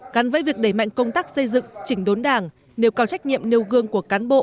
cắn với việc đẩy mạnh công tác xây dựng chỉnh đốn đảng nêu cao trách nhiệm nêu gương của cán bộ